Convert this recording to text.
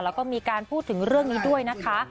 แล้วก็มีการพูดถึงเรื่องนี้ด้วยนะคะ